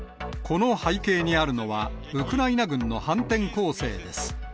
この背景にあるのは、ウクライナ軍の反転攻勢です。